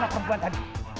mana perempuan tadi